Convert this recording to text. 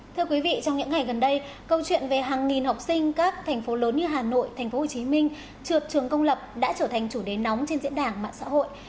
thưa quý vị trong những ngày gần đây câu chuyện về hàng nghìn học sinh các thành phố lớn như hà nội tp hcm trượt trường công lập đã trở thành chủ đề nóng trên diễn đàn mạng xã hội